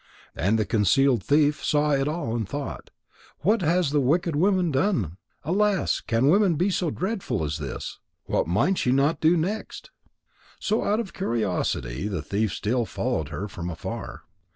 And the concealed thief saw it all and thought: "What has the wicked woman done? Alas! Can women be so dreadful as this? What might she not do next?" So out of curiosity the thief still followed her from afar.